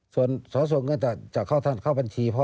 ส่วนเขาส่งเงินจะเข้าบัญชีพ่อ